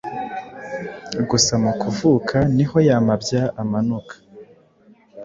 Gusa mu kuvuka niho ya mabya amanuka